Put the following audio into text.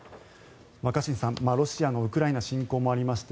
若新さん、ロシアのウクライナ侵攻もありまして